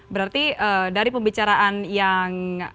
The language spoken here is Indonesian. berarti dari pembicaraan yang